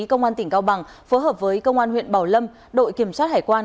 công an tỉnh cao bằng phối hợp với công an huyện bảo lâm đội kiểm soát hải quan